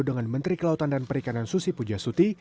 dengan menteri kelautan dan perikanan susi pujias tuti